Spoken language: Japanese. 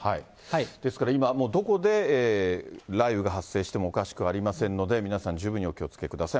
ですから今、どこで雷雨が発生してもおかしくありませんので、皆さん十分にお気をつけください。